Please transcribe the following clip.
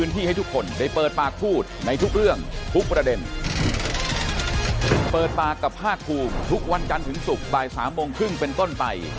ทุกวันกันถึงศุกร์บ่าย๓โมงครึ่งเป็นก้นไป